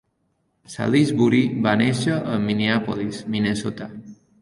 Salisbury va néixer a Minneapolis, Minnesota.